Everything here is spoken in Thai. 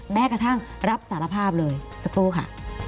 แม้กระทั่งรับสารภาพเลยสักครู่ค่ะ